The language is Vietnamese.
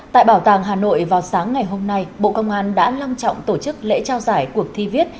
tại bảo tàng hà nội vào sáng ngày hôm nay bộ công an đã long trọng tổ chức lễ trao giải cuộc thi viết